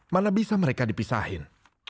mana bisa mereka dipisahin